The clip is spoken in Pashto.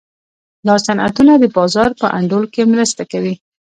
دا صنعتونه د بازار په انډول کې مرسته کوي.